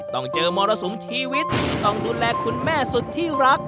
ต้องเจอมรสุมชีวิตที่ต้องดูแลคุณแม่สุดที่รัก